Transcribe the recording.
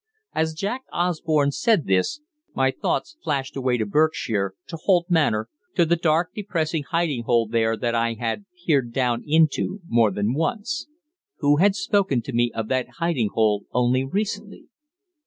As Jack Osborne said this, my thoughts flashed away to Berkshire, to Holt Manor, to the dark, depressing hiding hole there that I had peered down into more than once. Who had spoken to me of that hiding hole only recently?